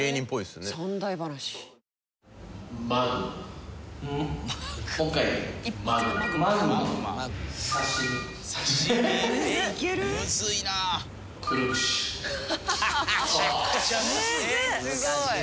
すごい。